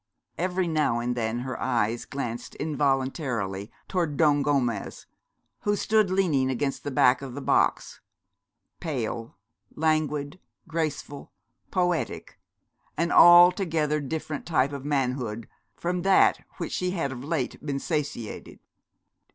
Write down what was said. Every now and then her eyes glanced involuntarily toward Don Gomez, who stood leaning against the back of the box, pale, languid, graceful, poetic, an altogether different type of manhood from that with which she had of late been satiated.